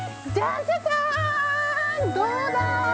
どうだ！